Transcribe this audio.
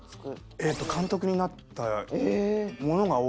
えっと監督になった者が多いです。